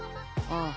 ああ。